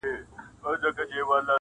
ما په نوم د انتقام يې ته وهلی-